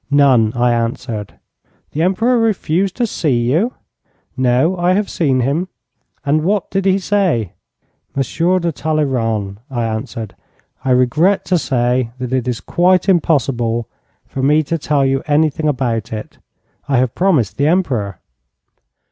'None,' I answered. 'The Emperor refused to see you?' 'No, I have seen him.' 'And what did he say?' 'Monsieur de Talleyrand,' I answered, 'I regret to say that it is quite impossible for me to tell you anything about it. I have promised the Emperor.'